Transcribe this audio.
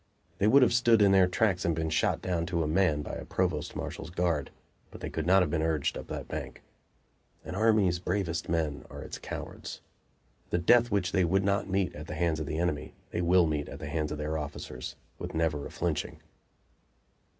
They would have stood in their tracks and been shot down to a man by a provost marshal's guard, but they could not have been urged up that bank. An army's bravest men are its cowards. The death which they would not meet at the hands of the enemy they will meet at the hands of their officers, with never a flinching.